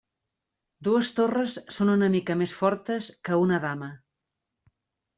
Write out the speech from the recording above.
Dues torres són una mica més fortes que una dama.